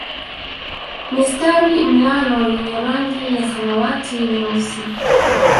Mistari mlalo yenye rangi ya samawati nyeusi